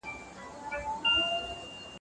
وږی په خوب ډوډۍ ويني.